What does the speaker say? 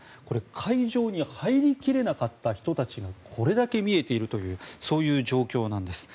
会場に入りきれなかった人がこれだけ見えているという状況なんです。